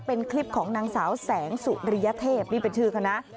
เป็นคลิปของนางสาวแสงสุริยเทพนี่เป็นชื่อเขานะ